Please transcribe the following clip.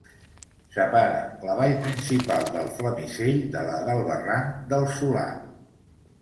Separa la vall principal del Flamisell de la del barranc del Solà.